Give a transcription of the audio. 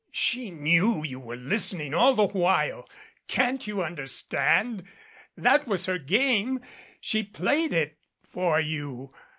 "She knew you were listening all the while. Can't you understand? That was her game. She played it for you.